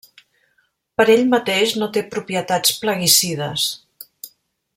Per ell mateix no té propietats plaguicides.